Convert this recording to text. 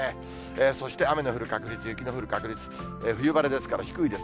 そして雨の降る確率、雪の降る確率、冬晴れですから低いです。